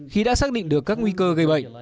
khi đã xác định được các nguy cơ gây bệnh